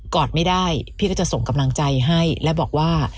อดไม่ได้พี่ก็จะส่งกำลังใจให้และบอกว่า